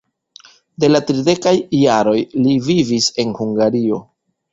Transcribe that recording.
De la tridekaj jaroj li vivis en Hungario.